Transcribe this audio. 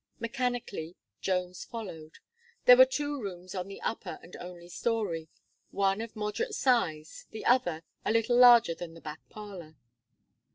Mechanically Jones followed. There were two rooms on the upper and only storey; one of moderate size; the other, a little larger than the back parlour.